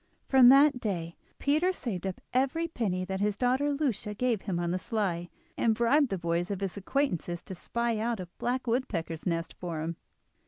From that day Peter saved up every penny that his daughter Lucia gave him on the sly, and bribed the boys of his acquaintance to spy out a black woodpecker's nest for him.